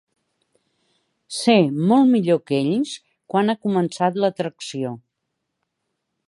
Sé, molt millor que ells, quan ha començat l'atracció.